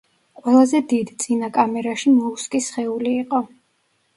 ყველაზე დიდ, წინა კამერაში მოლუსკის სხეული იყო.